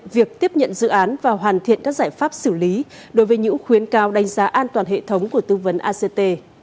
việc tiếp nhận dự án và hoàn thiện các giải pháp xử lý đối với những khuyến cáo đánh giá an toàn hệ thống của tư vấn act